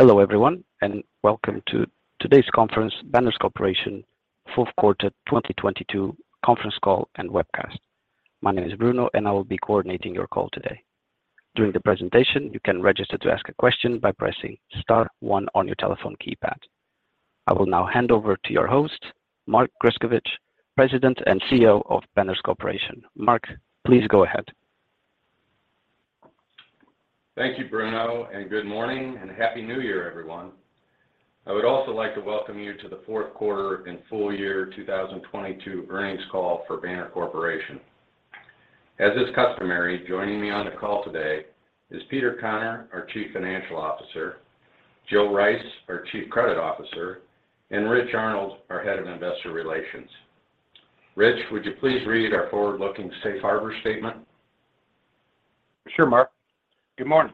Hello everyone, welcome to today's conference, Banner Corporation Q4 2022 conference call and webcast. My name is Bruno, I will be coordinating your call today. During the presentation, you can register to ask a question by pressing star one on your telephone keypad. I will now hand over to your host, Mark J. Grescovich, President and CEO of Banner Corporation. Mark, please go ahead. Thank you, Bruno. Good morning and Happy New Year, everyone. I would also like to welcome you to the Q4 and full year 2022 earnings call for Banner Corporation. As is customary, joining me on the call today is Peter Conner, our Chief Financial Officer, Jill Rice, our Chief Credit Officer, and Rich Arnold, our Head of Investor Relations. Rich, would you please read our forward-looking safe harbor statement? Sure, Mark. Good morning.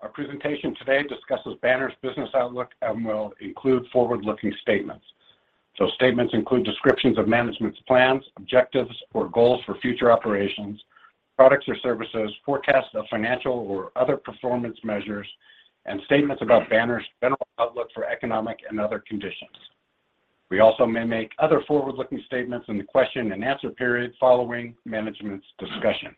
Our presentation today discusses Banner's business outlook and will include forward-looking statements. Those statements include descriptions of management's plans, objectives, or goals for future operations, products or services, forecasts of financial or other performance measures, and statements about Banner's general outlook for economic and other conditions. We also may make other forward-looking statements in the question and answer period following management's discussion.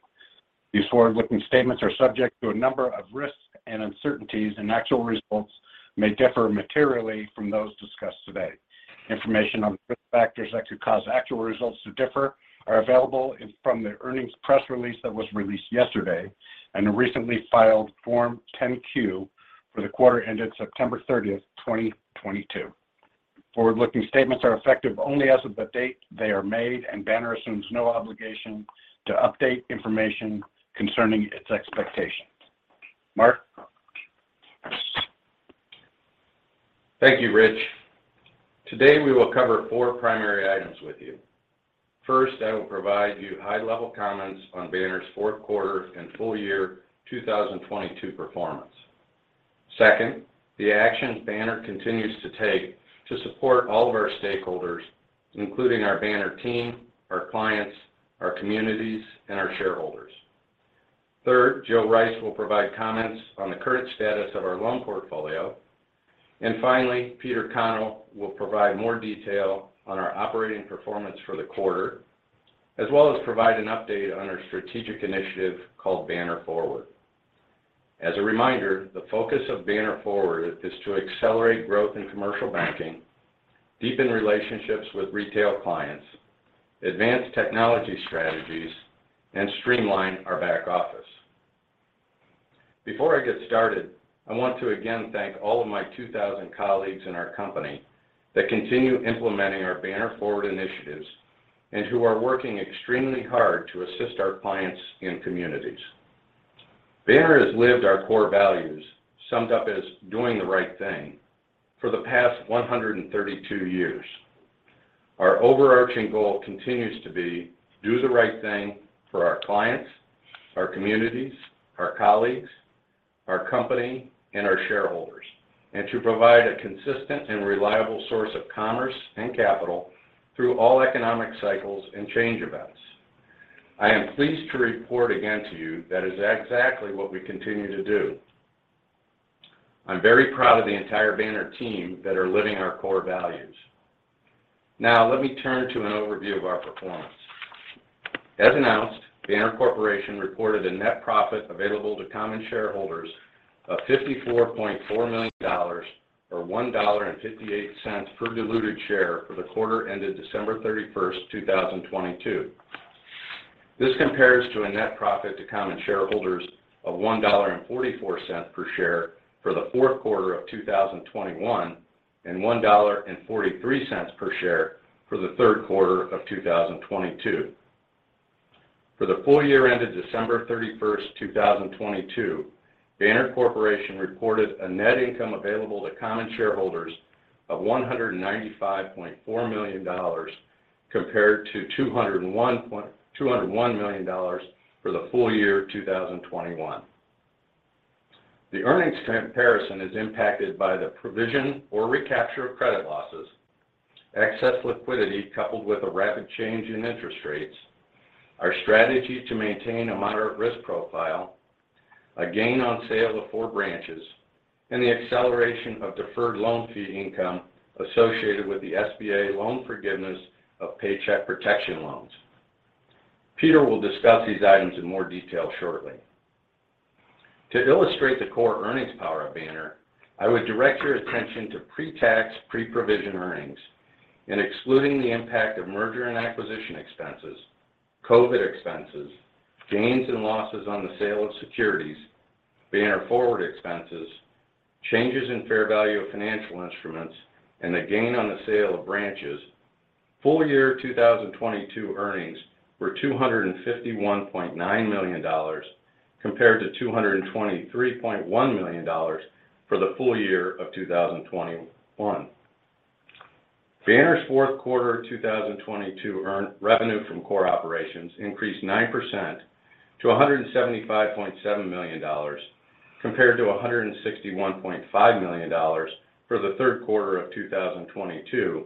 These forward-looking statements are subject to a number of risks and uncertainties, and actual results may differ materially from those discussed today. Information on the risk factors that could cause actual results to differ are available from the earnings press release that was released yesterday and a recently filed Form 10-Q for the quarter ended September 30, 2022. Forward-looking statements are effective only as of the date they are made, and Banner assumes no obligation to update information concerning its expectations. Mark? Thank you, Rich. Today, we will cover four primary items with you. First, I will provide you high-level comments on Banner's Q4 and full year 2022 performance. Second, the actions Banner continues to take to support all of our stakeholders, including our Banner team, our clients, our communities, and our shareholders. Third, Joe Rice will provide comments on the current status of our loan portfolio. Finally, Peter Conner will provide more detail on our operating performance for the quarter, as well as provide an update on our strategic initiative called Banner Forward. As a reminder, the focus of Banner Forward is to accelerate growth in commercial banking, deepen relationships with retail clients, advance technology strategies, and streamline our back office. Before I get started, I want to again thank all of my 2,000 colleagues in our company that continue implementing our Banner Forward initiatives and who are working extremely hard to assist our clients and communities. Banner has lived our core values, summed up as doing the right thing, for the past 132 years. Our overarching goal continues to be do the right thing for our clients, our communities, our colleagues, our company, and our shareholders, and to provide a consistent and reliable source of commerce and capital through all economic cycles and change events. I am pleased to report again to you that is exactly what we continue to do. I'm very proud of the entire Banner team that are living our core values. Now let me turn to an overview of our performance. As announced, Banner Corporation reported a net profit available to common shareholders of $54.4 million or $1.58 per diluted share for the quarter ended December 31st, 2022. This compares to a net profit to common shareholders of $1.44 per share for the Q4 of 2021 and $1.43 per share for the Q3 of 2022. For the full year ended December 31st, 2022, Banner Corporation reported a net income available to common shareholders of $195.4 million compared to $201 million for the full year 2021. The earnings comparison is impacted by the provision or recapture of credit losses, excess liquidity coupled with a rapid change in interest rates, our strategy to maintain a moderate risk profile, a gain on sale of four branches, and the acceleration of deferred loan fee income associated with the SBA loan forgiveness of Paycheck Protection loans. Peter will discuss these items in more detail shortly. To illustrate the core earnings power of Banner, I would direct your attention to pre-tax, pre-provision earnings. In excluding the impact of merger and acquisition expenses, COVID expenses, gains and losses on the sale of securities, Banner Forward expenses, changes in fair value of financial instruments, and the gain on the sale of branches, full year 2022 earnings were $251.9 million compared to $223.1 million for the full year of 2021. Banner's Q4 2022 earned revenue from core operations increased 9% to $175.7 million compared to $161.5 million for the Q3 of 2022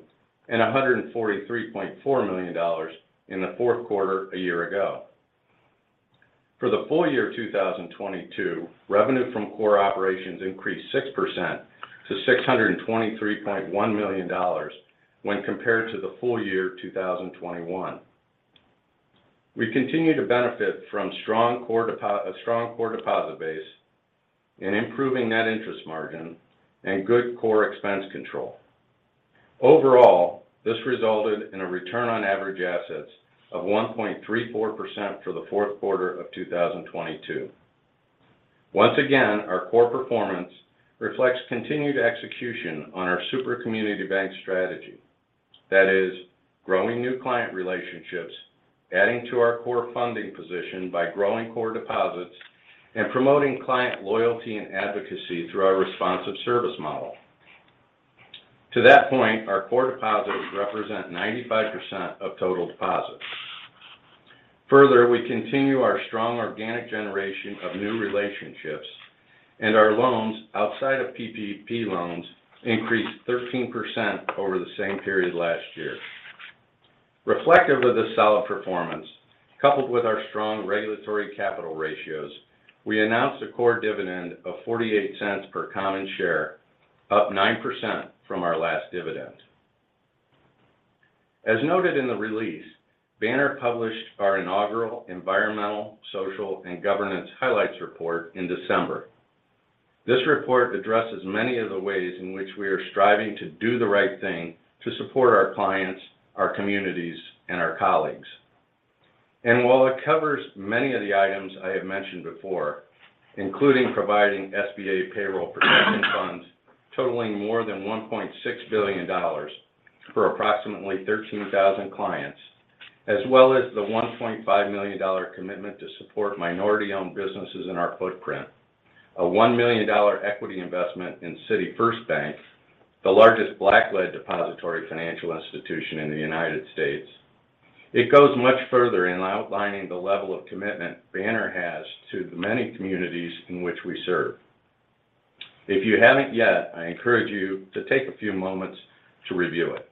and $143.4 million in the Q4 a year ago. For the full year 2022, revenue from core operations increased 6% to $623.1 million when compared to the full year 2021. We continue to benefit from a strong core deposit base and improving net interest margin and good core expense control. Overall, this resulted in a return on average assets of 1.34% for the Q4 of 2022. Once again, our core performance reflects continued execution on our super community bank strategy. That is growing new client relationships, adding to our core funding position by growing core deposits and promoting client loyalty and advocacy through our responsive service model. To that point, our core deposits represent 95% of total deposits. We continue our strong organic generation of new relationships and our loans outside of PPP loans increased 13% over the same period last year. Reflective of the solid performance, coupled with our strong regulatory capital ratios, we announced a core dividend of $0.48 per common share, up 9% from our last dividend. As noted in the release, Banner published our inaugural environmental, social, and governance highlights report in December. This report addresses many of the ways in which we are striving to do the right thing to support our clients, our communities, and our colleagues. While it covers many of the items I have mentioned before, including providing SBA payroll protection funds totaling more than $1.6 billion for approximately 13,000 clients, as well as the $1.5 million commitment to support minority-owned businesses in our footprint. A $1 million equity investment in City First Bank, the largest Black-led depository financial institution in the United States. It goes much further in outlining the level of commitment Banner has to the many communities in which we serve. If you haven't yet, I encourage you to take a few moments to review it.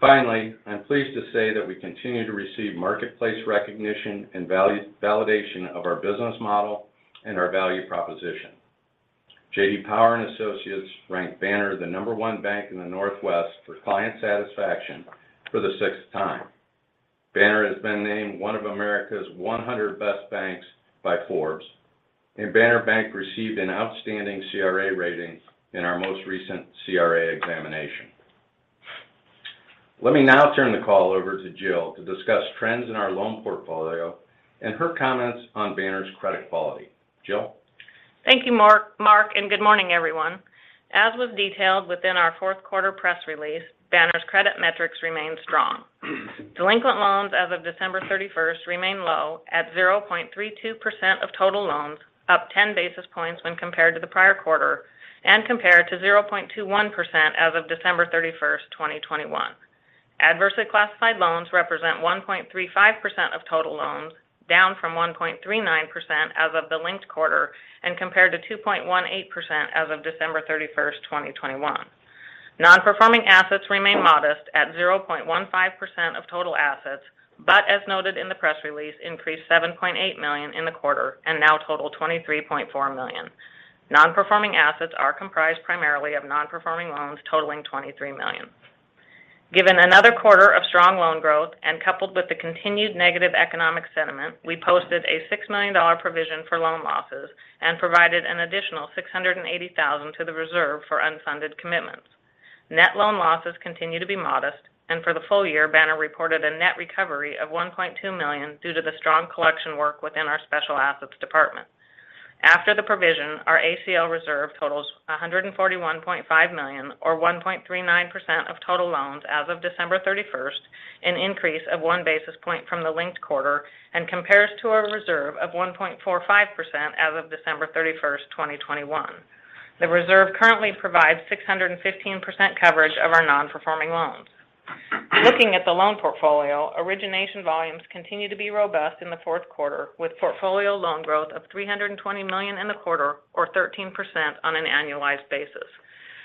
Finally, I'm pleased to say that we continue to receive marketplace recognition and validation of our business model and our value proposition. J.D. Power and Associates ranked Banner the number 1 bank in the Northwest for client satisfaction for the 6th time. Banner has been named one of America's 100 best banks by Forbes. Banner Bank received an outstanding CRA rating in our most recent CRA examination. Let me now turn the call over to Jill to discuss trends in our loan portfolio and her comments on Banner's credit quality. Jill? Thank you, Mark. Good morning, everyone. As was detailed within our Q4 press release, Banner's credit metrics remain strong. Delinquent loans as of December 31st remain low at 0.32% of total loans, up 10 basis points when compared to the prior quarter and compared to 0.21% as of December 31st, 2021. Adversely classified loans represent 1.35% of total loans, down from 1.39% as of the linked quarter and compared to 2.18% as of December 31st, 2021. Non-performing assets remain modest at 0.15% of total assets, but as noted in the press release, increased $7.8 million in the quarter and now total $23.4 million. Non-performing assets are comprised primarily of non-performing loans totaling $23 million. Given another quarter of strong loan growth and coupled with the continued negative economic sentiment, we posted a $6 million provision for loan losses and provided an additional $680,000 to the reserve for unfunded commitments. For the full year, Banner reported a net recovery of $1.2 million due to the strong collection work within our special assets department. After the provision, our ACL reserve totals $141.5 million or 1.39% of total loans as of December 31st, an increase of 1 basis point from the linked quarter, compares to a reserve of 1.45% as of December 31st, 2021. The reserve currently provides 615% coverage of our non-performing loans. Looking at the loan portfolio, origination volumes continue to be robust in the Q4, with portfolio loan growth of $320 million in the quarter or 13% on an annualized basis.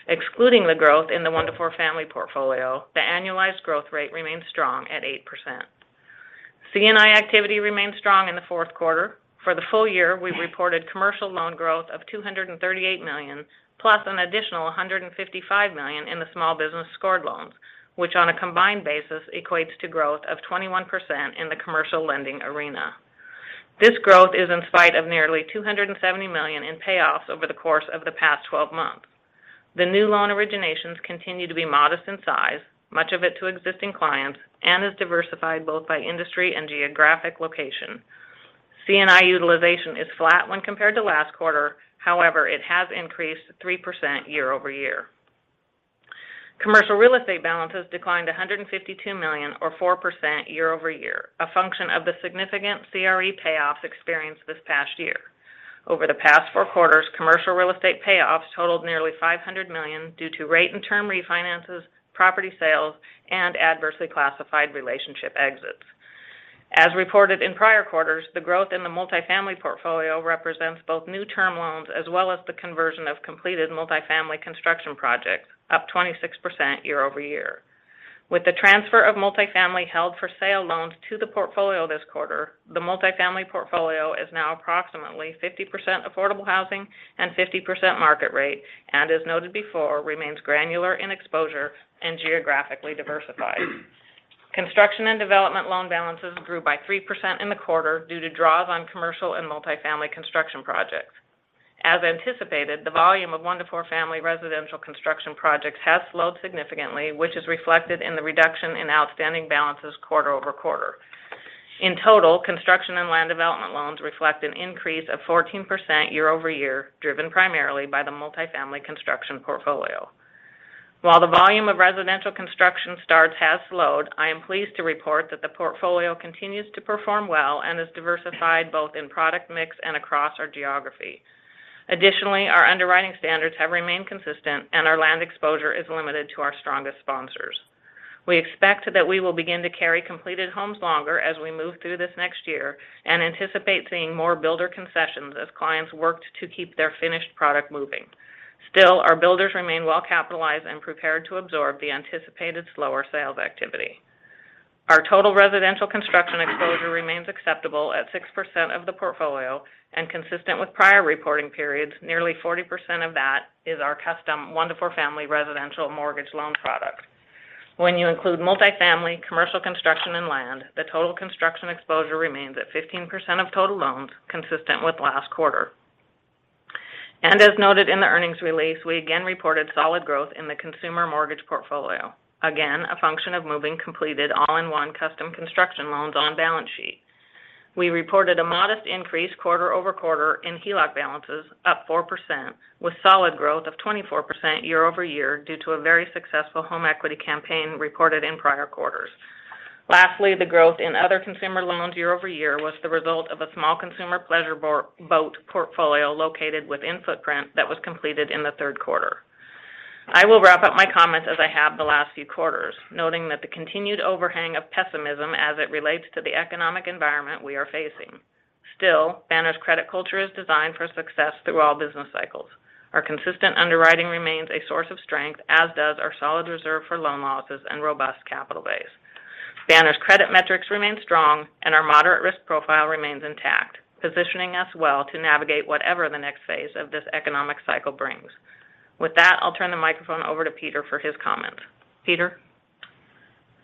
Excluding the growth in the one to four family portfolio, the annualized growth rate remains strong at 8%. C&I activity remains strong in the Q4. For the full year, we've reported commercial loan growth of $238 million plus an additional $155 million in the small business scored loans, which on a combined basis equates to growth of 21% in the commercial lending arena. This growth is in spite of nearly $270 million in payoffs over the course of the past 12 months. The new loan originations continue to be modest in size, much of it to existing clients, and is diversified both by industry and geographic location. C&I utilization is flat when compared to last quarter. However, it has increased 3% quarter-over-quarter. Commercial real estate balances declined $152 million or 4% quarter-over-quarter, a function of the significant CRE payoffs experienced this past year. Over the past four quarters, commercial real estate payoffs totaled nearly $500 million due to rate and term refinances, property sales, and adversely classified relationship exits. As reported in prior quarters, the growth in the multifamily portfolio represents both new term loans as well as the conversion of completed multifamily construction projects, up 26% quarter-over-quarter. With the transfer of multifamily held-for-sale loans to the portfolio this quarter, the multifamily portfolio is now approximately 50% affordable housing and 50% market rate, and as noted before, remains granular in exposure and geographically diversified. Construction and development loan balances grew by 3% in the quarter due to draws on commercial and multifamily construction projects. As anticipated, the volume of one-to-four-family residential construction projects has slowed significantly, which is reflected in the reduction in outstanding balances quarter-over-quarter. In total, construction and land development loans reflect an increase of 14% quarter-over-quarter, driven primarily by the multifamily construction portfolio. While the volume of residential construction starts has slowed, I am pleased to report that the portfolio continues to perform well and is diversified both in product mix and across our geography. Additionally, our underwriting standards have remained consistent, and our land exposure is limited to our strongest sponsors. We expect that we will begin to carry completed homes longer as we move through this next year and anticipate seeing more builder concessions as clients work to keep their finished product moving. Still, our builders remain well-capitalized and prepared to absorb the anticipated slower sales activity. Our total residential construction exposure remains acceptable at 6% of the portfolio, and consistent with prior reporting periods, nearly 40% of that is our custom one-to-four-family residential mortgage loan product. When you include multifamily, commercial construction, and land, the total construction exposure remains at 15% of total loans, consistent with last quarter. As noted in the earnings release, we again reported solid growth in the consumer mortgage portfolio. Again, a function of moving completed All-in-One Custom Construction Loans on balance sheet. We reported a modest increase quarter-over-quarter in HELOC balances, up 4%, with solid growth of 24% quarter-over-quarter due to a very successful home equity campaign reported in prior quarters. Lastly, the growth in other consumer loans quarter-over-quarter was the result of a small consumer pleasureboat portfolio located within footprint that was completed in the Q3. I will wrap up my comments as I have the last few quarters, noting that the continued overhang of pessimism as it relates to the economic environment we are facing. Banner's credit culture is designed for success through all business cycles. Our consistent underwriting remains a source of strength, as does our solid reserve for loan losses and robust capital base. Banner's credit metrics remain strong, and our moderate risk profile remains intact, positioning us well to navigate whatever the next phase of this economic cycle brings. I'll turn the microphone over to Peter for his comments. Peter?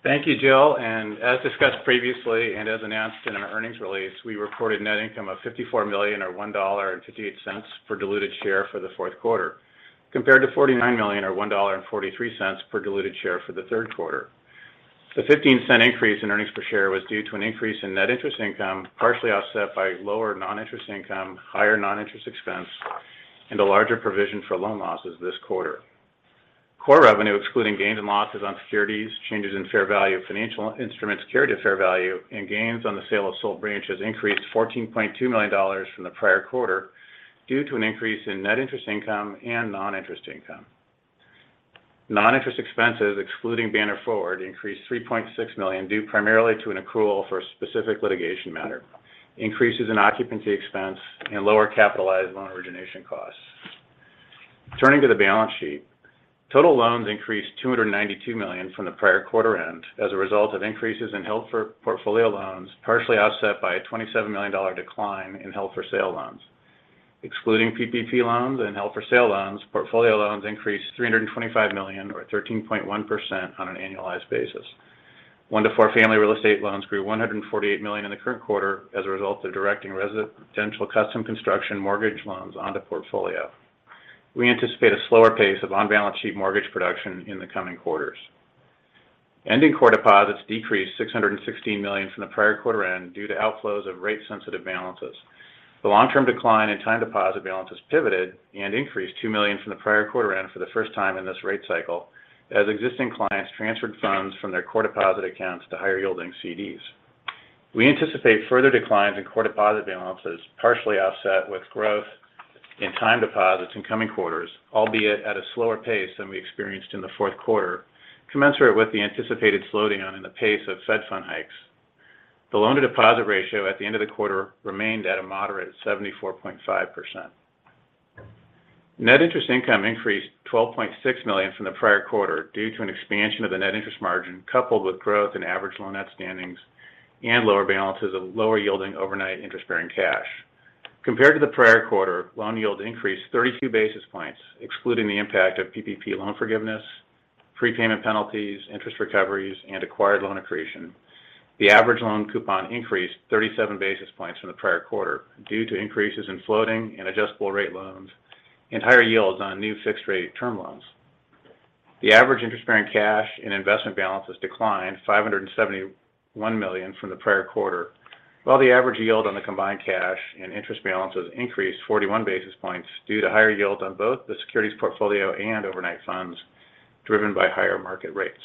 Thank you, Jill. As discussed previously, as announced in our earnings release, we reported net income of $54 million or $1.58 per diluted share for the Q4, compared to $49 million or $1.43 per diluted share for the Q3. The $0.15 increase in earnings per share was due to an increase in net interest income, partially offset by lower non-interest income, higher non-interest expense, and a larger provision for loan losses this quarter. Core revenue, excluding gains and losses on securities, changes in fair value of financial instruments carried at fair value, and gains on the sale of sold branches increased $14.2 million from the prior quarter due to an increase in net interest income and non-interest income. Non-interest expenses, excluding Banner Forward, increased $3.6 million due primarily to an accrual for a specific litigation matter, increases in occupancy expense, and lower capitalized loan origination costs. Turning to the balance sheet, total loans increased $292 million from the prior quarter end as a result of increases in held for portfolio loans, partially offset by a $27 million decline in held for sale loans. Excluding PPP loans and held for sale loans, portfolio loans increased $325 million or 13.1% on an annualized basis. One to four family real estate loans grew $148 million in the current quarter as a result of directing residential custom construction mortgage loans onto portfolio. We anticipate a slower pace of on-balance sheet mortgage production in the coming quarters. Ending core deposits decreased $616 million from the prior quarter end due to outflows of rate-sensitive balances. The long-term decline in time deposit balances pivoted and increased $2 million from the prior quarter end for the first time in this rate cycle as existing clients transferred funds from their core deposit accounts to higher-yielding CDs. We anticipate further declines in core deposit balances, partially offset with growth in time deposits in coming quarters, albeit at a slower pace than we experienced in the Q4, commensurate with the anticipated slowing down in the pace of Fed Fund hikes. The loan-to-deposit ratio at the end of the quarter remained at a moderate 74.5%. Net interest income increased $12.6 million from the prior quarter due to an expansion of the net interest margin coupled with growth in average loan outstandings and lower balances of lower-yielding overnight interest-bearing cash. Compared to the prior quarter, loan yield increased 32 basis points, excluding the impact of PPP loan forgiveness, prepayment penalties, interest recoveries, and acquired loan accretion. The average loan coupon increased 37 basis points from the prior quarter due to increases in floating and adjustable-rate loans and higher yields on new fixed-rate term loans. The average interest-bearing cash and investment balances declined $571 million from the prior quarter, while the average yield on the combined cash and interest balances increased 41 basis points due to higher yields on both the securities portfolio and overnight funds driven by higher market rates.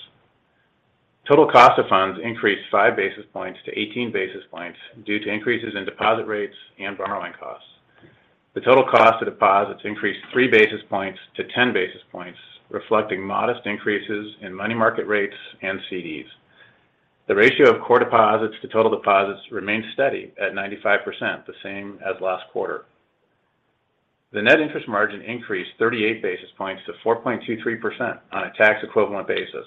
Total cost of funds increased five basis points to 18 basis points due to increases in deposit rates and borrowing costs. The total cost of deposits increased three basis points to 10 basis points, reflecting modest increases in money market rates and CDs. The ratio of core deposits to total deposits remained steady at 95%, the same as last quarter. The net interest margin increased 38 basis points to 4.23% on a tax equivalent basis.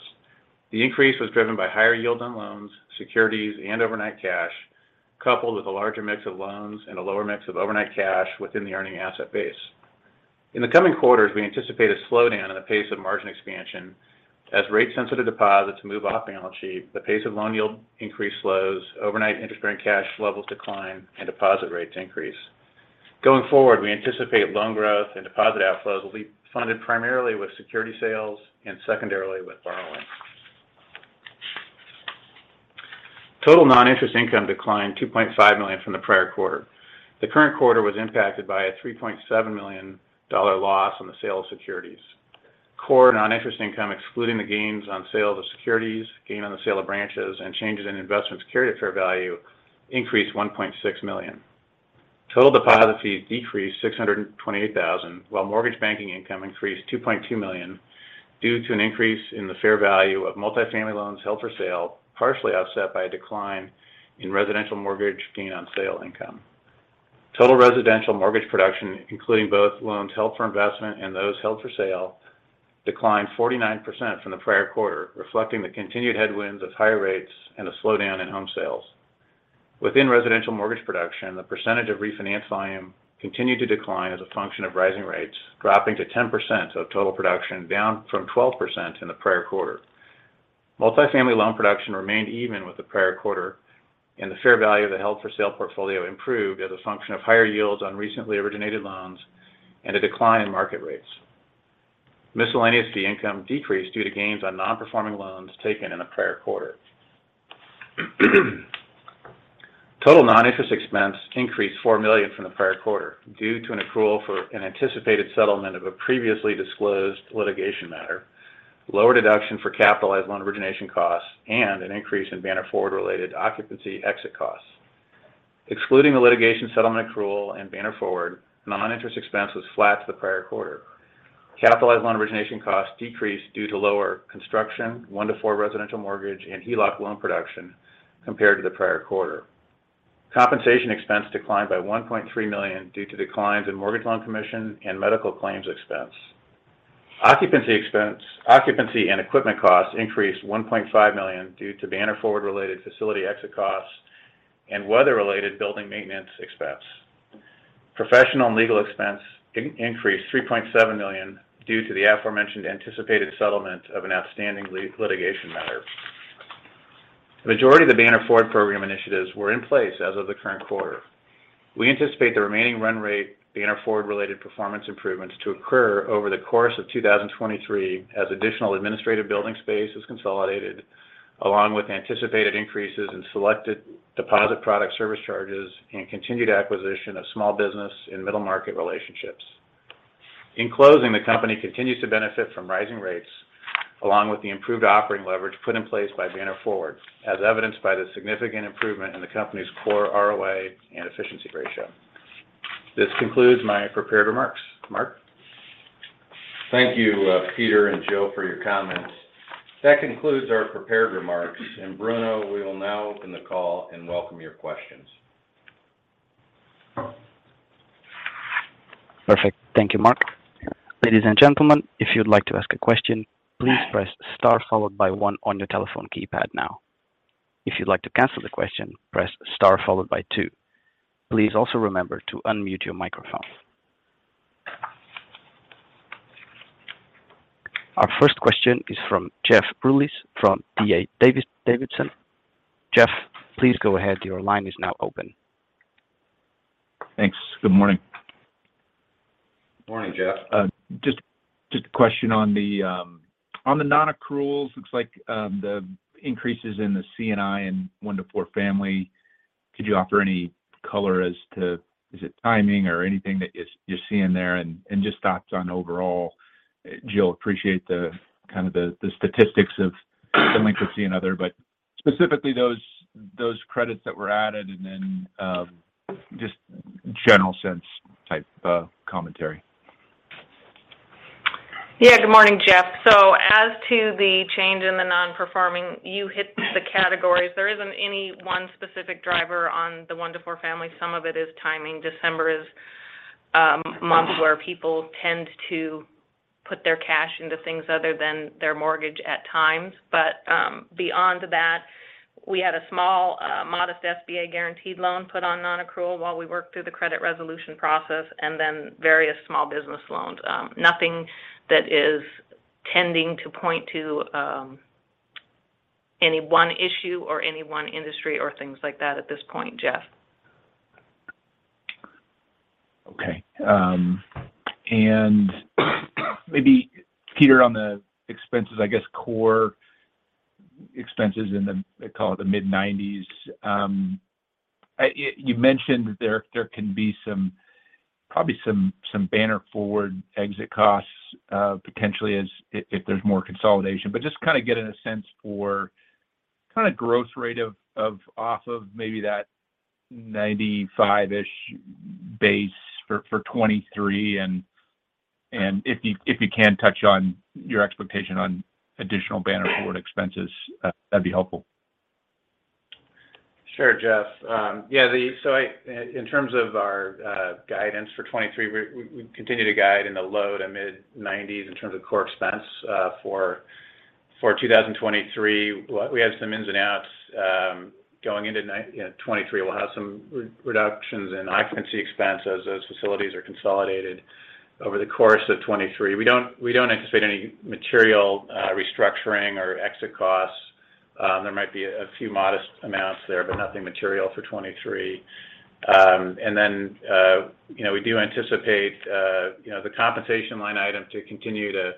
The increase was driven by higher yield on loans, securities, and overnight cash, coupled with a larger mix of loans and a lower mix of overnight cash within the earning asset base. In the coming quarters, we anticipate a slowdown in the pace of margin expansion as rate-sensitive deposits move off the balance sheet, the pace of loan yield increase slows, overnight interest-bearing cash levels decline, and deposit rates increase. Going forward, we anticipate loan growth and deposit outflows will be funded primarily with security sales and secondarily with borrowing. Total non-interest income declined $2.5 million from the prior quarter. The current quarter was impacted by a $3.7 million loss on the sale of securities. Core non-interest income, excluding the gains on sale of securities, gain on the sale of branches, and changes in investment security fair value, increased $1.6 million. Total deposit fees decreased $628,000, while mortgage banking income increased $2.2 million due to an increase in the fair value of multifamily loans held for sale, partially offset by a decline in residential mortgage gain on sale income. Total residential mortgage production, including both loans held for investment and those held for sale, declined 49% from the prior quarter, reflecting the continued headwinds of higher rates and a slowdown in home sales. Within residential mortgage production, the percentage of refinance volume continued to decline as a function of rising rates, dropping to 10% of total production, down from 12% in the prior quarter. Multifamily loan production remained even with the prior quarter, and the fair value of the held-for-sale portfolio improved as a function of higher yields on recently originated loans and a decline in market rates. Miscellaneous fee income decreased due to gains on non-performing loans taken in the prior quarter. Total non-interest expense increased $4 million from the prior quarter due to an accrual for an anticipated settlement of a previously disclosed litigation matter, lower deduction for capitalized loan origination costs, and an increase in Banner Forward-related occupancy exit costs. Excluding the litigation settlement accrual and Banner Forward, non-interest expense was flat to the prior quarter. Capitalized loan origination costs decreased due to lower construction, one to four residential mortgage, and HELOC loan production compared to the prior quarter. Compensation expense declined by $1.3 million due to declines in mortgage loan commission and medical claims expense. Occupancy and equipment costs increased $1.5 million due to Banner Forward-related facility exit costs and weather-related building maintenance expense. Professional and legal expense increased $3.7 million due to the aforementioned anticipated settlement of an outstanding litigation matter. The majority of the Banner Forward program initiatives were in place as of the current quarter. We anticipate the remaining run rate Banner Forward-related performance improvements to occur over the course of 2023 as additional administrative building space is consolidated, along with anticipated increases in selected deposit product service charges and continued acquisition of small business and middle market relationships. The company continues to benefit from rising rates along with the improved operating leverage put in place by Banner Forward, as evidenced by the significant improvement in the company's core ROA and efficiency ratio. This concludes my prepared remarks. Mark? Thank you, Peter and Jill, for your comments. That concludes our prepared remarks. Bruno, we will now open the call and welcome your questions. Perfect. Thank you, Mark. Ladies and gentlemen, if you'd like to ask a question, please press star followed by one on your telephone keypad now. If you'd like to cancel the question, press star followed by two. Please also remember to unmute your microphone. Our first question is from Jeff Rulis from D.A. Davidson. Jeff, please go ahead. Your line is now open. Thanks. Good morning. Morning, Jeff. Just a question on the non-accruals. Looks like the increases in the C&I and one to four family. Could you offer any color as to is it timing or anything that you're seeing there? Just thoughts on overall, Jill, appreciate the kind of the statistics of delinquency and other, but specifically those credits that were added and then just general sense type commentary. Yeah. Good morning, Jeff. As to the change in the non-performing, you hit the categories. There isn't any one specific driver on the one to four family. Some of it is timing. December is a month where people tend to put their cash into things other than their mortgage at times. Beyond that, we had a small, modest SBA guaranteed loan put on non-accrual while we worked through the credit resolution process and then various small business loans. Nothing that is tending to point to any one issue or any one industry or things like that at this point, Jeff. Okay. Maybe, Peter, on the expenses, I guess, core expenses in the they call it the mid-90s. You mentioned there can be some, probably some Banner Forward exit costs, potentially as if there's more consolidation. Just kind of getting a sense for kind of gross rate off of maybe that 95-ish base for 2023 and if you can touch on your expectation on additional Banner Forward expenses, that'd be helpful. Sure, Jeff. So I, in terms of our guidance for 2023, we continue to guide in the low to mid-nineties in terms of core expense for 2023. We had some ins and outs, you know, 2023. We'll have some re-reductions in occupancy expense as those facilities are consolidated over the course of 2023. We don't anticipate any material restructuring or exit costs. There might be a few modest amounts there, but nothing material for 2023. And then, you know, we do anticipate, you know, the compensation line item to continue to,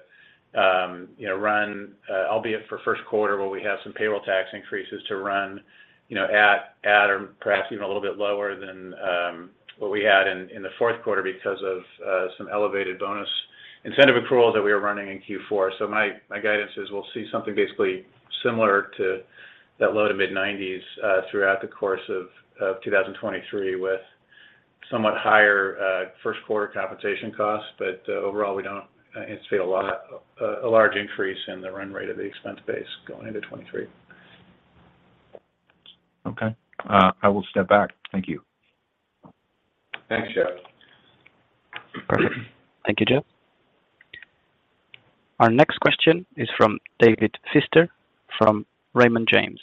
you know, run, albeit for Q1 where we have some payroll tax increases to run, you know, at or perhaps even a little bit lower than what we had in the Q4 because of some elevated bonus incentive accruals that we were running in Q4. My guidance is we'll see something basically similar to that low to mid-90s throughout the course of 2023 with somewhat higher Q1 compensation costs. But overall, we don't anticipate a large increase in the run rate of the expense base going into 23. Okay. I will step back. Thank you. Thanks, Jeff. Perfect. Thank you, Jeff. Our next question is from David Feaster from Raymond James.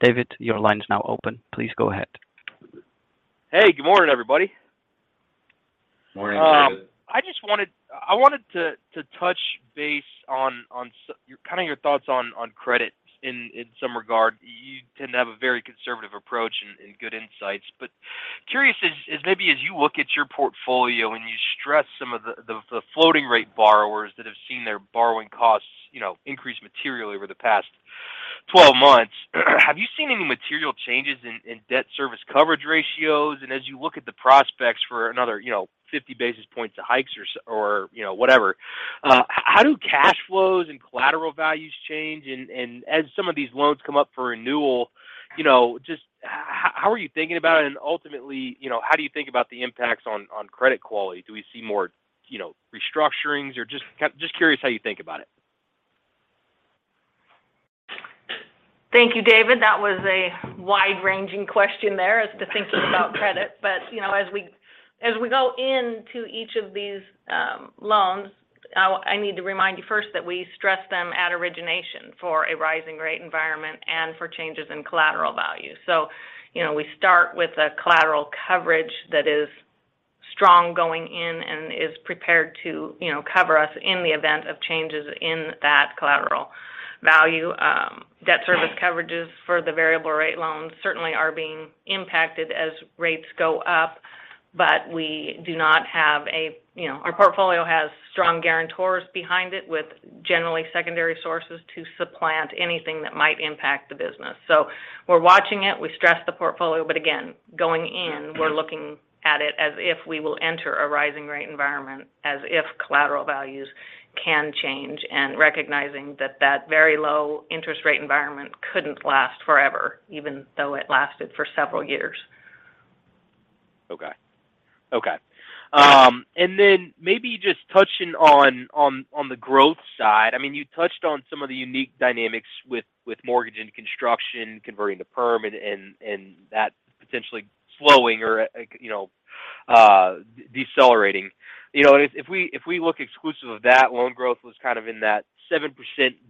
David, your line is now open. Please go ahead. Hey, good morning, everybody. Morning, David. I just wanted to touch base on kind of your thoughts on credit in some regard. You tend to have a very conservative approach and good insights. Curious as maybe as you look at your portfolio and you stress some of the floating rate borrowers that have seen their borrowing costs, you know, increase materially over the past 12 months, have you seen any material changes in debt service coverage ratios? As you look at the prospects for another, you know, 50 basis points of hikes or, you know, whatever, how do cash flows and collateral values change? As some of these loans come up for renewal, you know, just how are you thinking about it? Ultimately, you know, how do you think about the impacts on credit quality? Do we see more, you know, restructurings? Or just curious how you think about it. Thank you, David Feaster. That was a wide-ranging question there as to thinking about credit. You know, as we go into each of these loans, I need to remind you first that we stress them at origination for a rising rate environment and for changes in collateral value. You know, we start with a collateral coverage that is strong going in and is prepared to, you know, cover us in the event of changes in that collateral value. Debt service coverages for the variable rate loans certainly are being impacted as rates go up, but we do not have a, our portfolio has strong guarantors behind it with generally secondary sources to supplant anything that might impact the business. We're watching it. We stress the portfolio. Again, going in, we're looking at it as if we will enter a rising rate environment, as if collateral values can change, and recognizing that that very low interest rate environment couldn't last forever, even though it lasted for several years. Okay. Okay. Then maybe just touching on the growth side. I mean, you touched on some of the unique dynamics with mortgage and construction converting to perm and that potentially slowing or, you know, decelerating. You know, if we look exclusive of that, loan growth was kind of in that 7%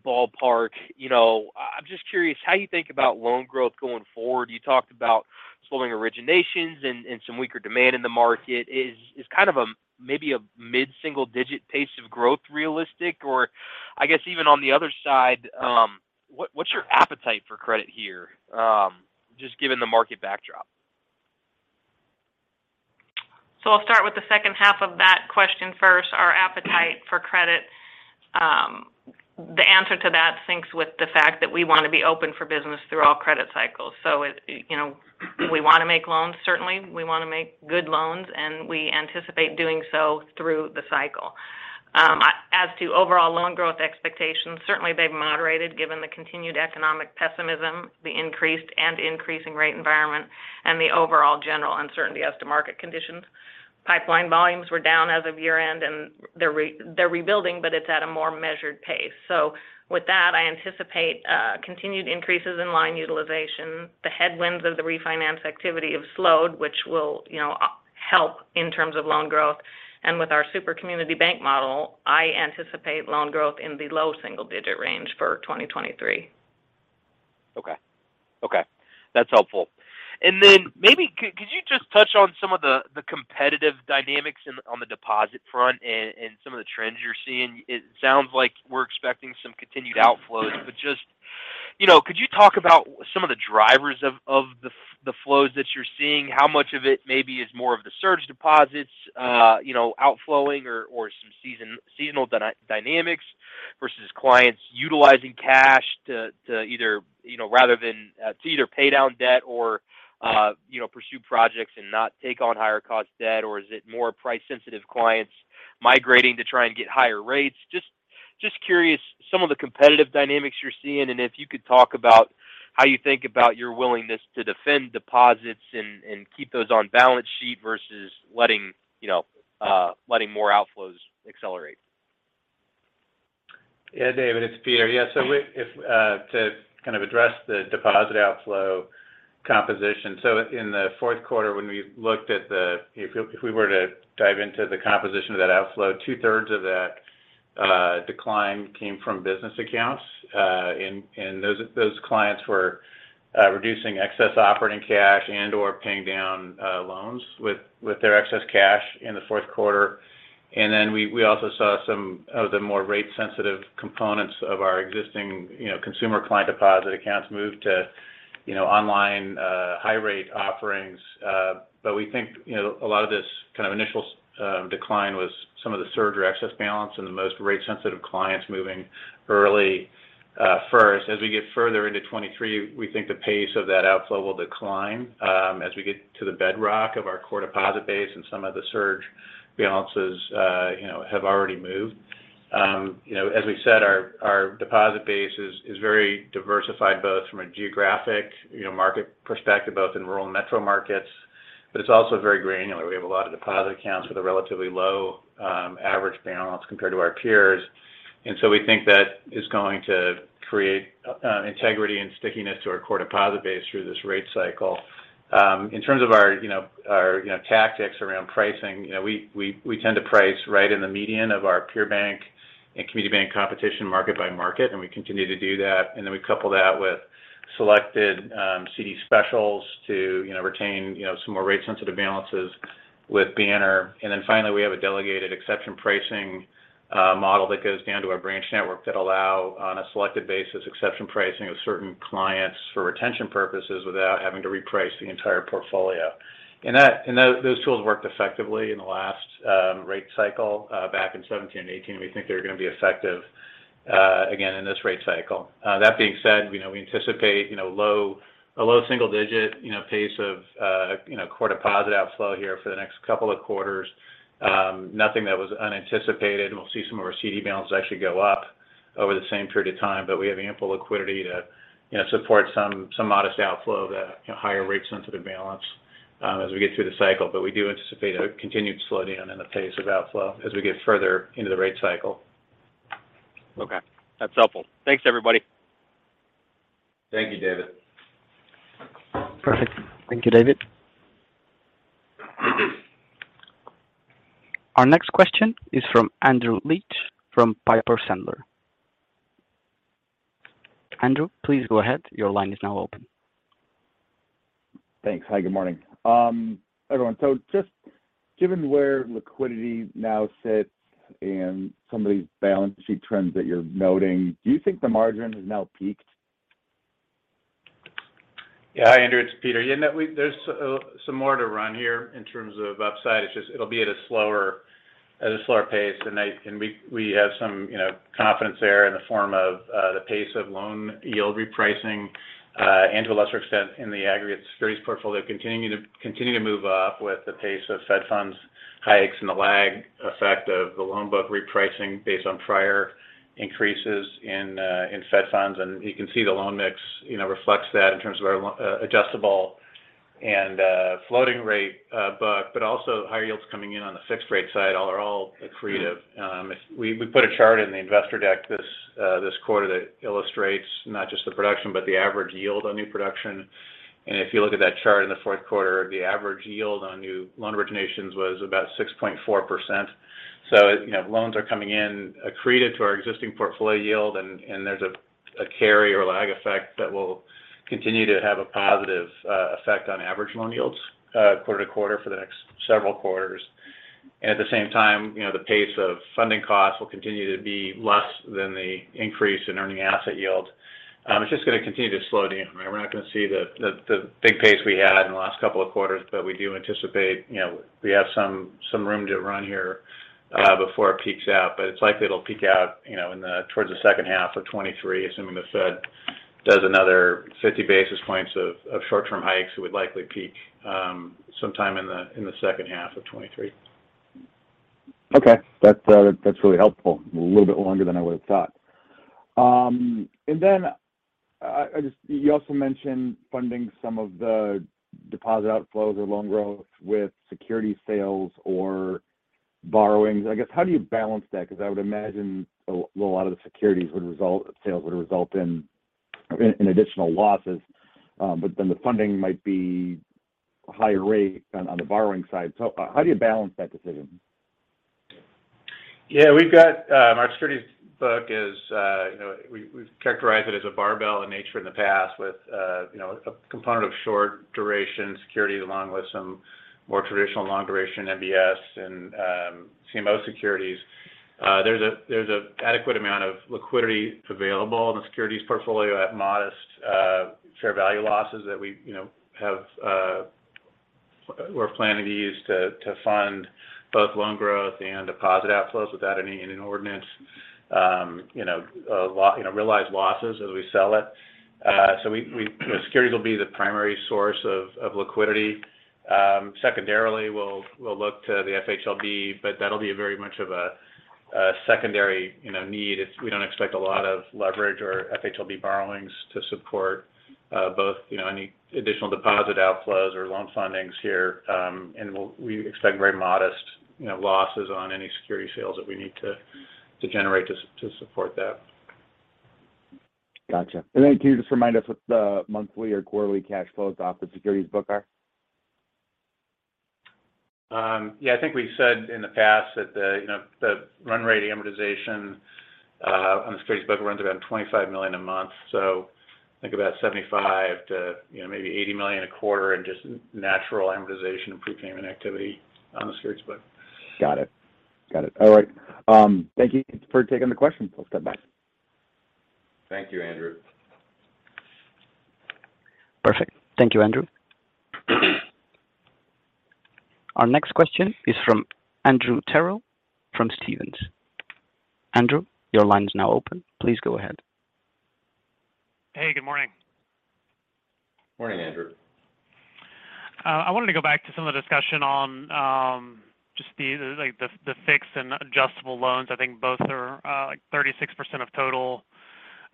ballpark. You know, I'm just curious how you think about loan growth going forward. You talked about slowing originations and some weaker demand in the market. Is kind of a maybe a mid-single digit pace of growth realistic? Or I guess even on the other side, what's your appetite for credit here, just given the market backdrop? I'll start with the H2 of that question first, our appetite for credit. The answer to that syncs with the fact that we want to be open for business through all credit cycles. You know, we want to make loans, certainly. We want to make good loans, and we anticipate doing so through the cycle. As to overall loan growth expectations, certainly they've moderated given the continued economic pessimism, the increased and increasing rate environment, and the overall general uncertainty as to market conditions. Pipeline volumes were down as of year-end, and they're rebuilding, but it's at a more measured pace. With that, I anticipate continued increases in line utilization. The headwinds of the refinance activity have slowed, which will, you know, help in terms of loan growth. With our super community bank model, I anticipate loan growth in the low single digit range for 2023. Okay. Okay, that's helpful. Then maybe could you just touch on some of the competitive dynamics on the deposit front and some of the trends you're seeing? It sounds like we're expecting some continued outflows. Just, you know, could you talk about some of the drivers of the flows that you're seeing? How much of it maybe is more of the surge deposits, you know, outflowing or some seasonal dynamics versus clients utilizing cash to either, you know, rather than to either pay down debt or, you know, pursue projects and not take on higher cost debt? Is it more price-sensitive clients migrating to try and get higher rates? Just curious some of the competitive dynamics you're seeing and if you could talk about how you think about your willingness to defend deposits and keep those on balance sheet versus letting, you know, letting more outflows accelerate. David, it's Peter. if to kind of address the deposit outflow composition. In the Q4, when we looked at the if we were to dive into the composition of that outflow, two-thirds of that decline came from business accounts, and those clients were reducing excess operating cash and/or paying down loans with their excess cash in the Q4. We also saw some of the more rate-sensitive components of our existing, you know, consumer client deposit accounts move to, you know, online, high rate offerings. we think, you know, a lot of this kind of initial decline was some of the surge or excess balance and the most rate-sensitive clients moving early, first. As we get further into 2023, we think the pace of that outflow will decline, as we get to the bedrock of our core deposit base and some of the surge balances, you know, have already moved. You know, as we said, our deposit base is very diversified, both from a geographic, you know, market perspective, both in rural and metro markets, but it's also very granular. We have a lot of deposit accounts with a relatively low average balance compared to our peers. We think that is going to create integrity and stickiness to our core deposit base through this rate cycle. In terms of our, you know, our, you know, tactics around pricing, you know, we tend to price right in the median of our peer bank and community bank competition market by market. We continue to do that. We couple that with selected CD specials to, you know, retain, you know, some more rate-sensitive balances with Banner. Finally, we have a delegated exception pricing model that goes down to our branch network that allow on a selected basis exception pricing of certain clients for retention purposes without having to reprice the entire portfolio. Those tools worked effectively in the last rate cycle back in 2017 and 2018. We think they're going to be effective again in this rate cycle. That being said, you know, we anticipate, you know, a low single-digit, you know, pace of, you know, core deposit outflow here for the next couple of quarters. Nothing that was unanticipated. We'll see some of our CD balances actually go up over the same period of time. We have ample liquidity to, you know, support some modest outflow of the higher rate-sensitive balance as we get through the cycle. We do anticipate a continued slowdown in the pace of outflow as we get further into the rate cycle. Okay. That's helpful. Thanks, everybody. Thank you, David. Perfect. Thank you, David. Our next question is from Andrew Liesch from Piper Sandler. Andrew, please go ahead. Your line is now open. Thanks. Hi, good morning, everyone. Just given where liquidity now sits and some of these balance sheet trends that you're noting, do you think the margin has now peaked? Hi, Andrew. It's Peter. There's some more to run here in terms of upside. It's just it'll be at a slower pace. We have some, you know, confidence there in the form of the pace of loan yield repricing and to a lesser extent in the aggregate securities portfolio continuing to move up with the pace of Fed funds hikes and the lag effect of the loan book repricing based on prior increases in Fed funds. You can see the loan mix, you know, reflects that in terms of our adjustable and floating rate book, but also higher yields coming in on the fixed rate side are all accretive. If we put a chart in the investor deck this quarter that illustrates not just the production, but the average yield on new production. If you look at that chart in the Q4, the average yield on new loan originations was about 6.4%. You know, loans are coming in accretive to our existing portfolio yield and there's a carry or lag effect that will continue to have a positive effect on average loan yields quarter to quarter for the next several quarters. At the same time, you know, the pace of funding costs will continue to be less than the increase in earning asset yield. It's just going to continue to slow down. We're not going to see the big pace we had in the last couple of quarters. We do anticipate, you know, we have some room to run here, before it peaks out. It's likely it'll peak out, you know, towards the H2 of 2023. Assuming the Fed does another 50 basis points of short-term hikes, it would likely peak sometime in the H2 of 2023. Okay. That's, that's really helpful. A little bit longer than I would have thought. I just you also mentioned funding some of the deposit outflows or loan growth with security sales or borrowings. I guess, how do you balance that? Because I would imagine a lot of the securities sales would result in additional losses. The funding might be a higher rate on the borrowing side. How do you balance that decision? Yeah. We've got, our securities book is, you know, we've characterized it as a barbell in nature in the past with, you know, a component of short duration securities along with some more traditional long duration MBS and CMO securities. There's a adequate amount of liquidity available in the securities portfolio at modest fair value losses that we, you know, have, we're planning to use to fund both loan growth and deposit outflows without any inordinate, you know, realized losses as we sell it. We securities will be the primary source of liquidity. Secondarily, we'll look to the FHLB, that'll be a very much of a secondary, you know, need. We don't expect a lot of leverage or FHLB borrowings to support, both, you know, any additional deposit outflows or loan fundings here. We expect very modest, you know, losses on any security sales that we need to generate to support that. Gotcha. Can you just remind us what the monthly or quarterly cash flows off the securities book are? Yeah, I think we said in the past that the, you know, the run rate amortization on the securities book runs around $25 million a month. I think about $75 million-$80 million a quarter in just natural amortization and prepayment activity on the securities book. Got it. All right. Thank you for taking the questions. I'll step back. Thank you, Andrew. Perfect. Thank you, Andrew. Our next question is from Andrew Terrell from Stephens. Andrew, your line is now open. Please go ahead. Hey, good morning. Morning, Andrew. I wanted to go back to some of the discussion on, just the fixed and adjustable loans. I think both are, 36% of total.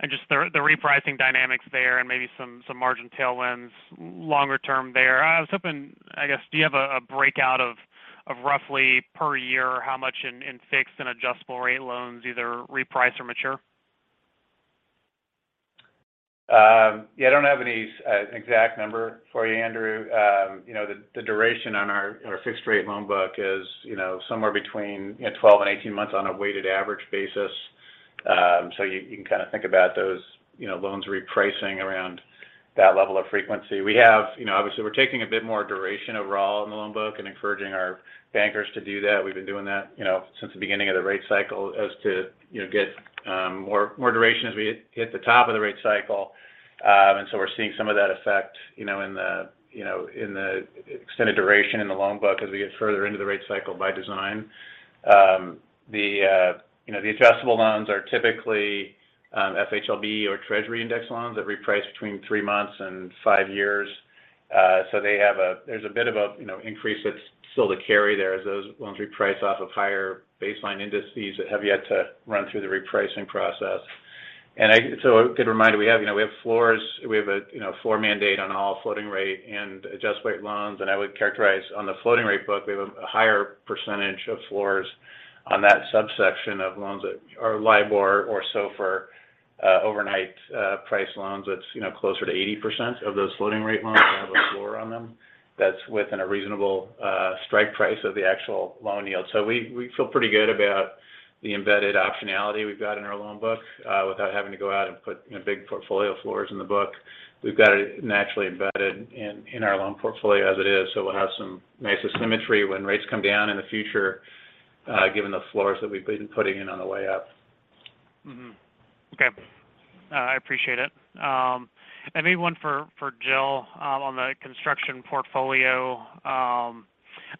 The repricing dynamics there and maybe some margin tailwinds longer term there. I was hoping, I guess, do you have a breakout of roughly per year how much in fixed and adjustable rate loans either reprice or mature? Yeah, I don't have any exact number for you, Andrew. You know, the duration on our fixed rate loan book is, you know, somewhere between, you know, 12 and 18 months on a weighted average basis. You can kind of think about those, you know, loans repricing around that level of frequency. We have, you know, obviously we're taking a bit more duration overall in the loan book and encouraging our bankers to do that. We've been doing that, you know, since the beginning of the rate cycle as to, you know, get more duration as we hit the top of the rate cycle. We're seeing some of that effect, you know, in the extended duration in the loan book as we get further into the rate cycle by design. The, you know, the adjustable loans are typically FHLB or Treasury index loans that reprice between three months and five years. There's a bit of a, you know, increase that's still to carry there as those loans reprice off of higher baseline indices that have yet to run through the repricing process. A good reminder, we have, you know, we have floors. We have a, you know, floor mandate on all floating rate and adjust rate loans. I would characterize on the floating rate book, we have a higher percentage of floors on that subsection of loans that are LIBOR or SOFR overnight price loans. That's, you know, closer to 80% of those floating rate loans have a floor on them that's within a reasonable strike price of the actual loan yield. We feel pretty good about the embedded optionality we've got in our loan book, without having to go out and put, you know, big portfolio floors in the book. We've got it naturally embedded in our loan portfolio as it is. We'll have some nice asymmetry when rates come down in the future, given the floors that we've been putting in on the way up. Okay. I appreciate it. Maybe one for Jill, on the construction portfolio. I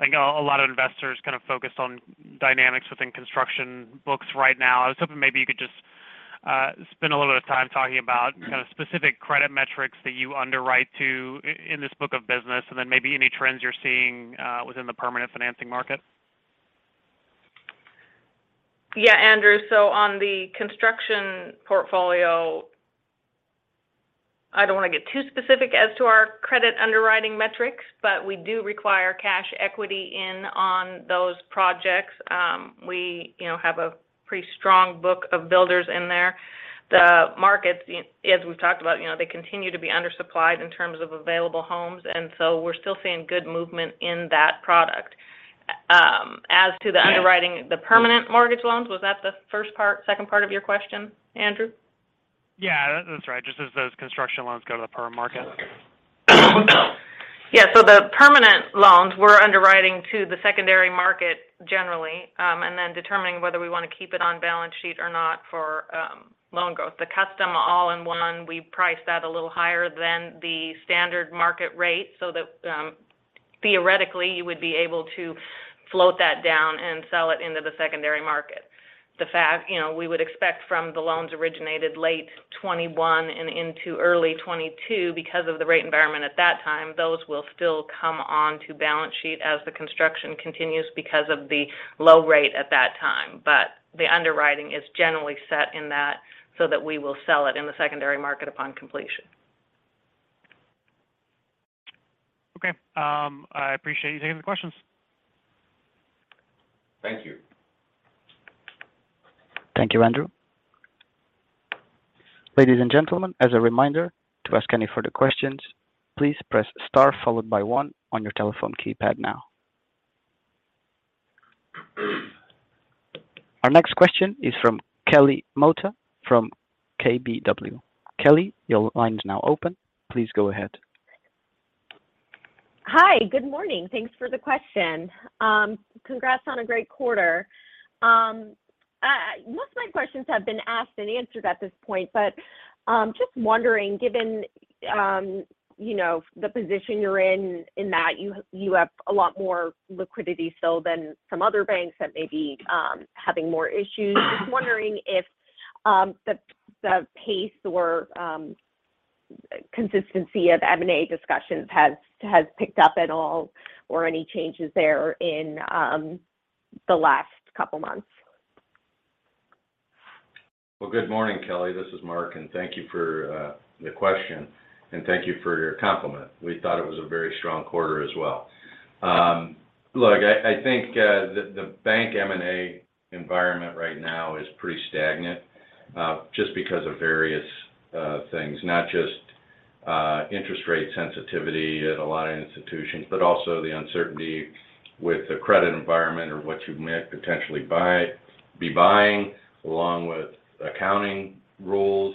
think a lot of investors kind of focus on dynamics within construction books right now. I was hoping maybe you could just spend a little bit of time talking about kind of specific credit metrics that you underwrite to in this book of business, and then maybe any trends you're seeing within the permanent financing market? Yeah, Andrew. On the construction portfolio, I don't want to get too specific as to our credit underwriting metrics, but we do require cash equity in on those projects. We, you know, have a pretty strong book of builders in there. The markets, as we've talked about, you know, they continue to be undersupplied in terms of available homes, and so we're still seeing good movement in that product. As to the underwriting the permanent mortgage loans, was that the first part, second part of your question, Andrew? Yeah, that's right. Just as those construction loans go to the perm market. Yeah. The permanent loans we're underwriting to the secondary market generally, and then determining whether we want to keep it on balance sheet or not for loan growth. The Custom All-in-One, we price that a little higher than the standard market rate so that theoretically you would be able to float that down and sell it into the secondary market. You know, we would expect from the loans originated late 2021 and into early 2022 because of the rate environment at that time, those will still come onto balance sheet as the construction continues because of the low rate at that time. The underwriting is generally set in that so that we will sell it in the secondary market upon completion. Okay. I appreciate you taking the questions. Thank you. Thank you, Andrew. Ladies and gentlemen, as a reminder to ask any further questions, please press star followed by one on your telephone keypad now. Our next question is from Kelly Motta from KBW. Kelly, your line is now open. Please go ahead. Hi. Good morning. Thanks for the question. Congrats on a great quarter. Most of my questions have been asked and answered at this point, but just wondering, given, you know, the position you're in that you have a lot more liquidity still than some other banks that may be having more issues. Just wondering if the pace or Consistency of M&A discussions has picked up at all or any changes there in the last couple months? Well, good morning, Kelly Motta. This is Mark and thank you for the question, and thank you for your compliment. We thought it was a very strong quarter as well. Look, I think the bank M&A environment right now is pretty stagnant just because of various things. Not just interest rate sensitivity at a lot of institutions, but also the uncertainty with the credit environment or what you might potentially be buying, along with accounting rules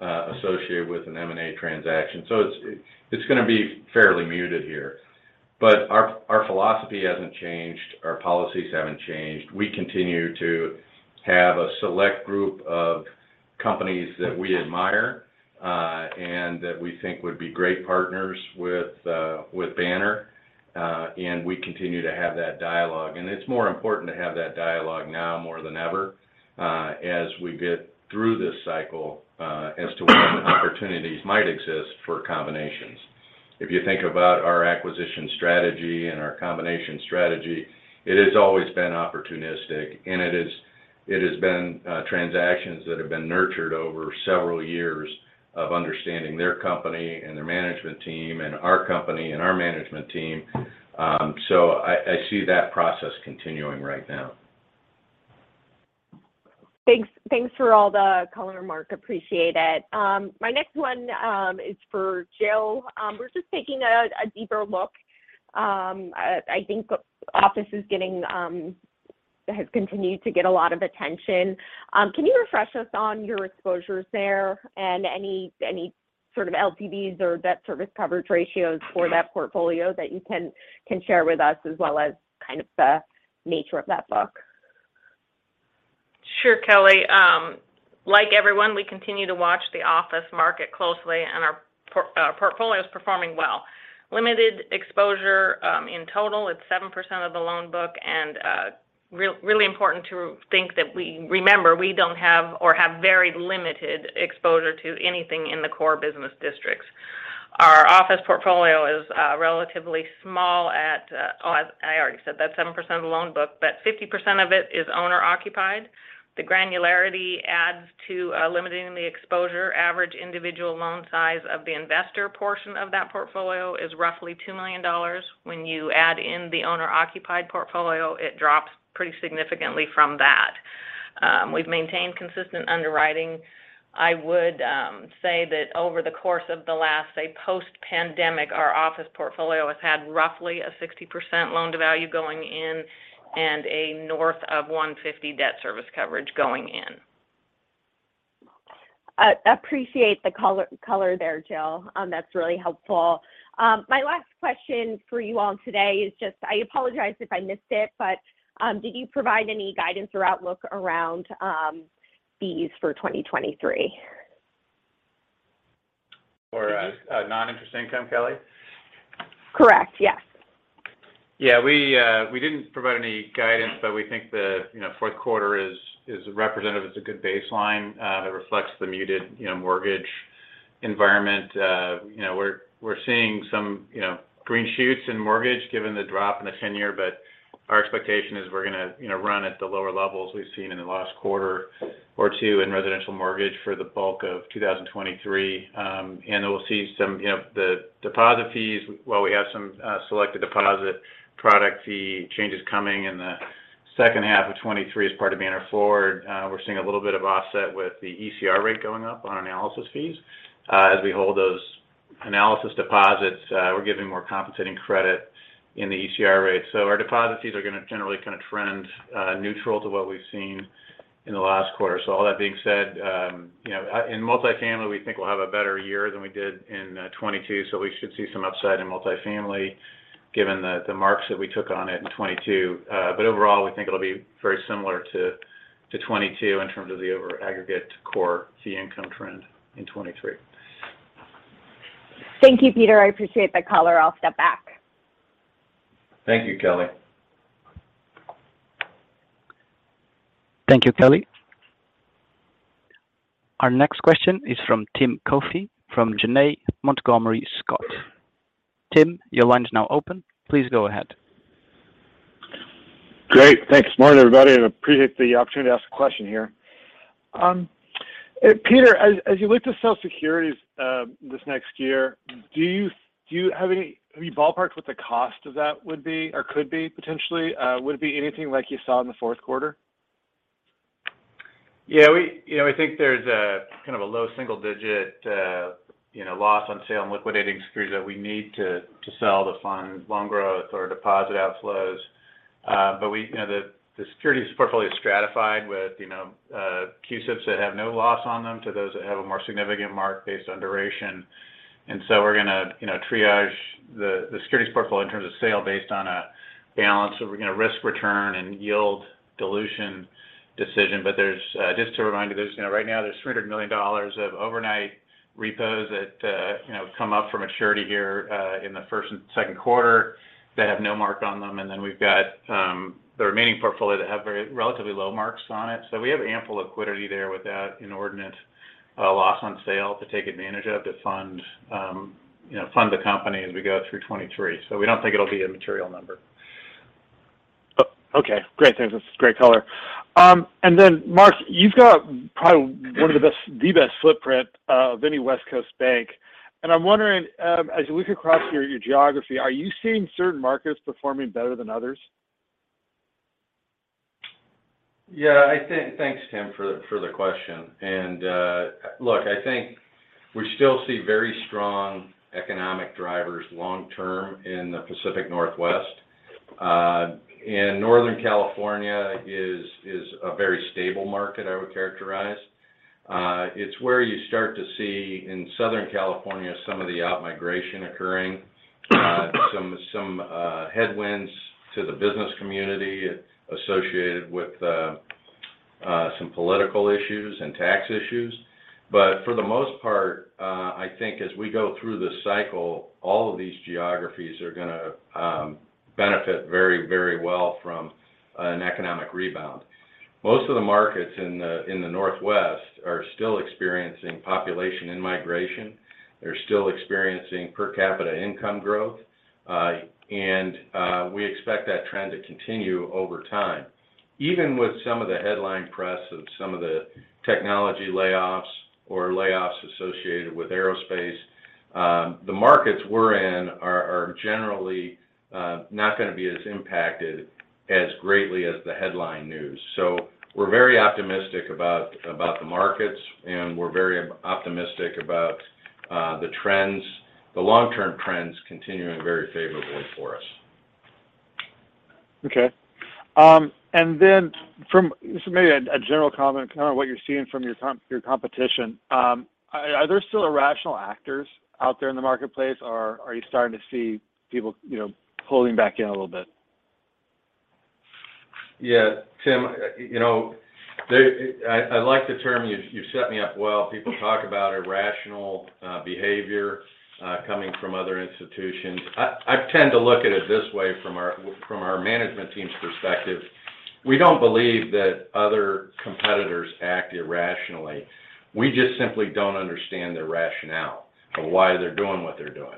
associated with an M&A transaction. It's gonna be fairly muted here. Our philosophy hasn't changed. Our policies haven't changed. We continue to have a select group of companies that we admire, and that we think would be great partners with Banner. We continue to have that dialogue. It's more important to have that dialogue now more than ever, as we get through this cycle, as to when opportunities might exist for combinations. If you think about our acquisition strategy and our combination strategy, it has always been opportunistic, and it has been transactions that have been nurtured over several years of understanding their company and their management team and our company and our management team. So I see that process continuing right now. Thanks for all the color, Mark. Appreciate it. My next one is for Jill. We're just taking a deeper look. I think office has continued to get a lot of attention. Can you refresh us on your exposures there and any sort of LTVs or debt service coverage ratios for that portfolio that you can share with us as well as kind of the nature of that book? Sure, Kelly. Like everyone, we continue to watch the office market closely, and our portfolio is performing well. Limited exposure, in total. It's 7% of the loan book and really important to think that remember we don't have or have very limited exposure to anything in the core business districts. Our office portfolio is relatively small at, Oh, I already said that, 7% of the loan book. 50% of it is owner-occupied. The granularity adds to limiting the exposure. Average individual loan size of the investor portion of that portfolio is roughly $2 million. When you add in the owner-occupied portfolio, it drops pretty significantly from that. We've maintained consistent underwriting. I would, say that over the course of the last, say, post-pandemic, our office portfolio has had roughly a 60% loan-to-value going in and a north of 150 debt service coverage going in. Appreciate the color there, Jill. That's really helpful. My last question for you all today is just, I apologize if I missed it, but, did you provide any guidance or outlook around, fees for 2023? For non-interest income, Kelly? Correct. Yes. Yeah. We didn't provide any guidance. We think the, you know, Q4 is representative. It's a good baseline, that reflects the muted, you know, mortgage environment. You know, we're seeing some, you know, green shoots in mortgage given the drop in the 10-year. Our expectation is we're gonna, you know, run at the lower levels we've seen in the last quarter or two in residential mortgage for the bulk of 2023. We'll see some, you know, the deposit fees while we have some, selected deposit product fee changes coming in the H2 of 2023 as part of Banner Forward. We're seeing a little bit of offset with the ECR rate going up on our analysis fees. As we hold those analysis deposits, we're giving more compensating credit in the ECR rate. Our deposit fees are gonna generally kinda trend neutral to what we've seen in the last quarter. All that being said, you know, in multifamily, we think we'll have a better year than we did in 2022, so we should see some upside in multifamily given the marks that we took on it in 2022. Overall, we think it'll be very similar to 2022 in terms of the over aggregate core fee income trend in 2023. Thank you, Peter. I appreciate the color. I'll step back. Thank you, Kelly. Thank you, Kelly. Our next question is from Timothy Coffey from Janney Montgomery Scott. Tim, your line is now open. Please go ahead. Great. Thanks, Mark and everybody. I appreciate the opportunity to ask a question here. Peter, as you look to sell securities, this next year, do you have any have you ballparked what the cost of that would be or could be potentially? Would it be anything like you saw in the Q4? Yeah. We, you know, we think there's a, kind of a low single digit, you know, loss on sale and liquidating securities that we need to sell to fund loan growth or deposit outflows. We, you know, the securities portfolio is stratified with, you know, CUSIPs that have no loss on them to those that have a more significant mark based on duration. So we're gonna, you know, triage the securities portfolio in terms of sale based on a balance of, you know, risk-return and yield dilution decision. There's, just to remind you, there's, you know, right now there's $300 million of overnight repos. You know, come up for maturity here, in the 1st and 2nd quarter that have no mark on them. We've got the remaining portfolio that have very relatively low marks on it. We have ample liquidity there with that inordinate loss on sale to take advantage of to fund, you know, fund the company as we go through 2023. We don't think it'll be a material number. Okay. Great. Thanks. That's great color. Mark, you've got probably one of the best footprint of any West Coast bank. I'm wondering, as you look across your geography, are you seeing certain markets performing better than others? Thanks, Tim for the question. Look, I think we still see very strong economic drivers long-term in the Pacific Northwest. Northern California is a very stable market, I would characterize. It's where you start to see, in Southern California, some of the outmigration occurring, some headwinds to the business community associated with some political issues and tax issues. For the most part, I think as we go through this cycle, all of these geographies are gonna benefit very, very well from an economic rebound. Most of the markets in the Northwest are still experiencing population in-migration. They're still experiencing per capita income growth. And we expect that trend to continue over time. Even with some of the headline press of some of the technology layoffs or layoffs associated with aerospace, the markets we're in are generally not gonna be as impacted as greatly as the headline news. We're very optimistic about the markets, and we're very optimistic about the trends, the long-term trends continuing very favorably for us. Okay. This is maybe a general comment, kind of what you're seeing from your competition. Are there still irrational actors out there in the marketplace, or are you starting to see people, you know, pulling back in a little bit? Yeah. Tim, you know, I like the term. You set me up well. People talk about irrational behavior coming from other institutions. I tend to look at it this way from our management team's perspective. We don't believe that other competitors act irrationally. We just simply don't understand their rationale for why they're doing what they're doing.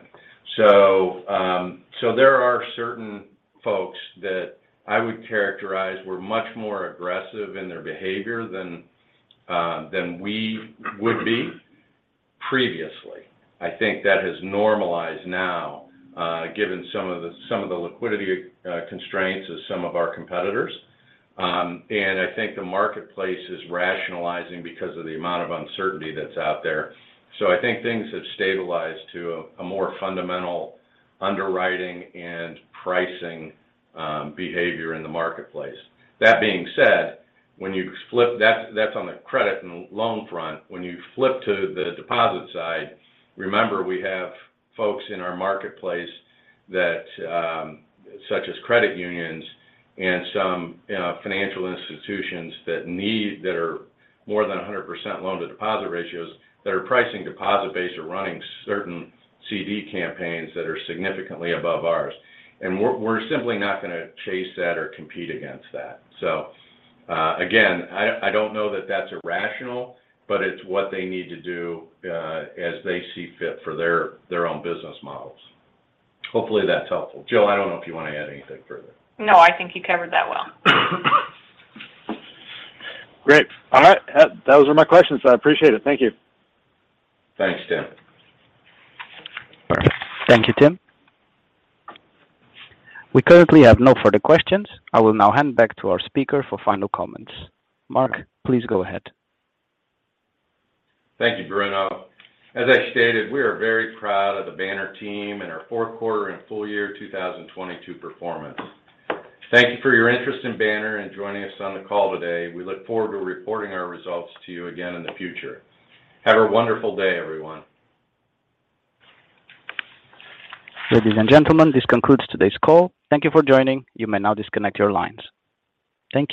There are certain folks that I would characterize were much more aggressive in their behavior than we would be previously. I think that has normalized now given some of the liquidity constraints of some of our competitors. I think the marketplace is rationalizing because of the amount of uncertainty that's out there. I think things have stabilized to a more fundamental underwriting and pricing behavior in the marketplace. That being said, when you flip, that's on the credit and loan front. When you flip to the deposit side, remember we have folks in our marketplace that, such as credit unions and some, you know, financial institutions that are more than a 100% loan to deposit ratios, that are pricing deposit base or running certain CD campaigns that are significantly above ours. We're simply not gonna chase that or compete against that. Again, I don't know that that's irrational, but it's what they need to do as they see fit for their own business models. Hopefully, that's helpful. Jill, I don't know if you want to add anything further. No, I think you covered that well. Great. All right. Those were my questions. I appreciate it. Thank you. Thanks, Tim. Perfect. Thank you, Tim. We currently have no further questions. I will now hand back to our speaker for final comments. Mark, please go ahead. Thank you, Bruno. As I stated, we are very proud of the Banner team and our Q4 and full year 2022 performance. Thank you for your interest in Banner and joining us on the call today. We look forward to reporting our results to you again in the future. Have a wonderful day, everyone. Ladies and gentlemen, this concludes today's call. Thank you for joining. You may now disconnect your lines. Thank you.